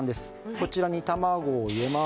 こちらに卵を入れます。